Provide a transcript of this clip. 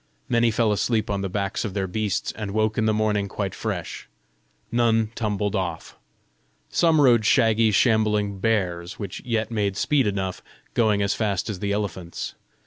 Many fell asleep on the backs of their beasts, and woke in the morning quite fresh. None tumbled off. Some rode shaggy, shambling bears, which yet made speed enough, going as fast as the elephants.